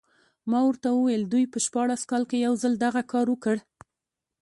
ما ورته وویل دوی په شپاړس کال کې یو ځل دغه کار وکړ.